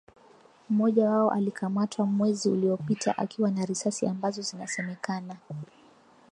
mmoja wao alikamatwa mwezi uliopita akiwa na risasi ambazo inasemekana